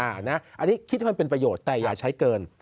อันนี้คิดให้มันเป็นประโยชน์แต่อย่าใช้เกิน